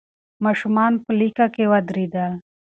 ماشومان په لیکه کې ودرېدل.